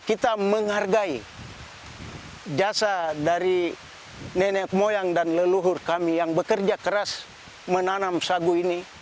kita menghargai jasa dari nenek moyang dan leluhur kami yang bekerja keras menanam sagu ini